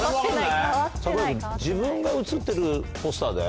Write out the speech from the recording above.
櫻井君自分が写ってるポスターだよ。